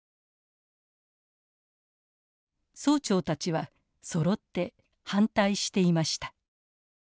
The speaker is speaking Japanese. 総長たちはそろって反対していました。